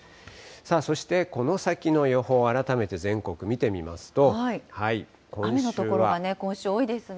そして、この先の予報を改めて全雨の所が、今週多いですね。